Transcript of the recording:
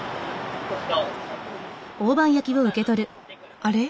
あれ？